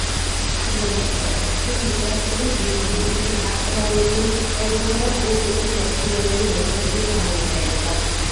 კვლევის პროცესში ლიტერატურის, ლინგვისტიკის, არქეოლოგიის, ისტორიისა და კულტურის მეცნიერული მეთოდები გამოიყენება.